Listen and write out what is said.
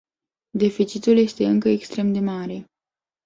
Deficitul este încă extrem de mare.